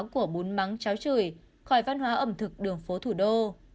của bún mắng cháo chửi khỏi văn hóa ẩm thực đường phố thủ đô